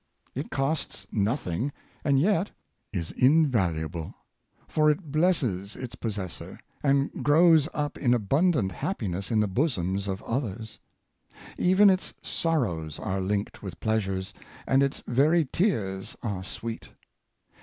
It costs nothing, and yet is invaluable ; for it blesses its possessor, and grows up in abundant happiness in the bosoms of others. Even its sorrows are linked with pleasures, and its very tears are sweet.